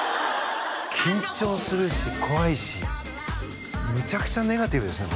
緊張するし怖いしむちゃくちゃネガティブですね